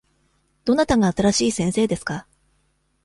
どなたが新しい先生ですか。